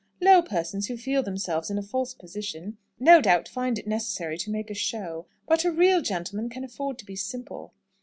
Low persons who feel themselves in a false position, no doubt find it necessary to make a show. But a real gentleman can afford to be simple."